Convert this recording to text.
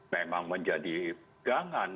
memang menjadi pegangan